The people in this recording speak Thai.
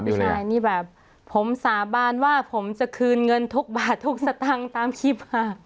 ใช่นี่แบบผมสาบานว่าผมจะคืนเงินทุกบาททุกสตางค์ตามคลิปค่ะ